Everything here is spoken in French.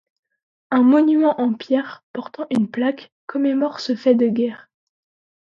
Un monument en pierres portant une plaque commémore ce fait de guerre.